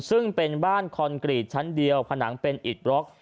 ซึ่งเป็นบ้านคอนกรีตชั้นเดียวผนังเป็นอิดบล็อก